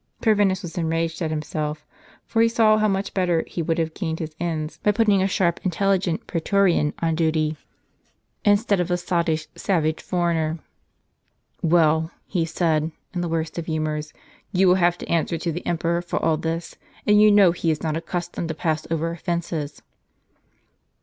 " Corvinus was enraged at himself; for he saw how much better he w^ould have gained his ends, by putting a sharp, intelligent prsetorian on duty, instead of a sottish, savage foreigner. "Well," he said, in the worst of huuiors, "you will have to answer to the emperor for all this ; and you know he is not accustomed to pass over offences."